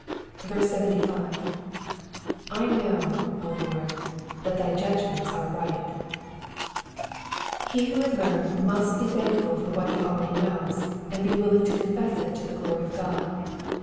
75. / Jsnoto, Lord, that thy judgments are righi,'*^ He who would learn most must be thankful for what he already knows, and be willmg to confess it to the glory of God.